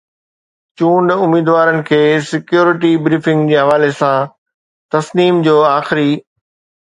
چونڊ اميدوارن کي سيڪيورٽي بريفنگ جي حوالي سان تسنيم جو آخري